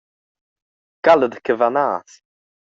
Cala da cavar nas!